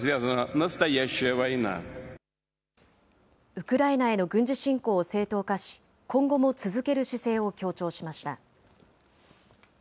ウクライナへの軍事侵攻を正当化し、今後も続ける姿勢を強調しました。